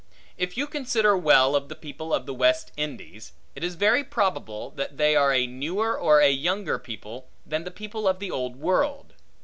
If you consider well of the people of the West Indies, it is very probable that they are a newer or a younger people, than the people of the Old World.